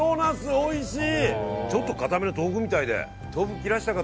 おいしい。